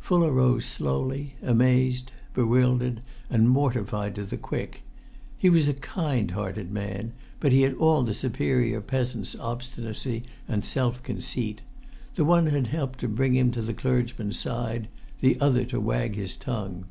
Fuller rose slowly, amazed, bewildered, and mortified to the quick. He was a kind hearted man, but he had all the superior peasant's obstinacy and self conceit: the one had helped to bring him to the clergyman's side, the other to wag his tongue.